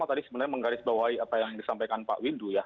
jadi apa yang disampaikan pak windu ya